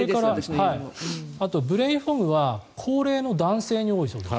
あと、ブレインフォグは高齢の男性に多いそうです。